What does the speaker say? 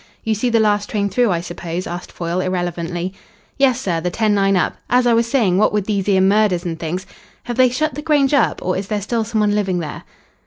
"You see the last train through, I suppose?" asked Foyle irrelevantly. "Yes, sir. The ten nine up. As I was saying, what with these 'ere murders and things " "Have they shut the Grange up, or is there still some one living there?"